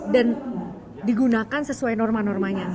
dan digunakan sesuai norma normanya